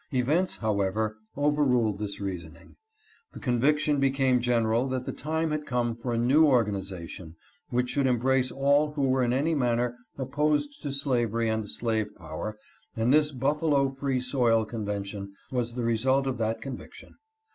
Events, however, overruled this reasoning. The conviction became general that the time had come for a new organization which should embrace all who were in any manner opposed to slavery and the slave power, and this Buffalo Free Soil convention was the result of that conviction.